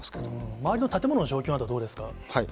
周りの建物の状況などはどうですか？